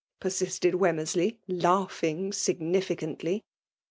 persisted Wemmersley, laughing significantly.